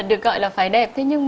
được gọi là phải đẹp thế nhưng